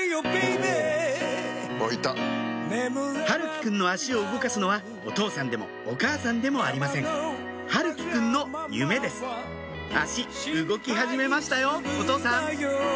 陽喜くんの足を動かすのはお父さんでもお母さんでもありません陽喜くんの夢です足動き始めましたよお父さん！